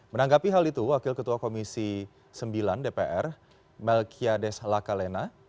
menanggapi hal itu wakil ketua komisi sembilan dpr melkiadesh lakalena